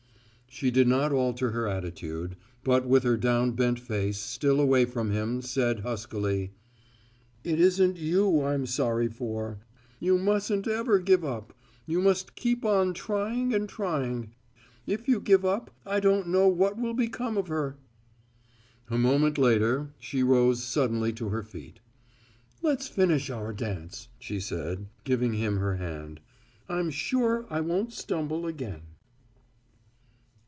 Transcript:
She did not alter her attitude, but with her down bent face still away from him, said huskily: "It isn't you I'm sorry for. You mustn't ever give up; you must keep on trying and trying. If you give up, I don't know what will become of her!" A moment later she rose suddenly to her feet. "Let's finish our dance," she said, giving him her hand. "I'm sure I won't stumble again."